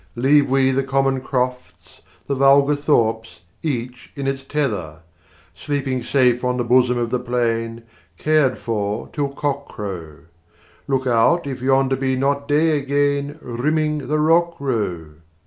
Leave we the common crofts, the vulgar thorpes Each in its tether Sleeping safe on the bosom of the plain, Cared for till cock crow: Look out if yonder be not day again Rimming the rock row!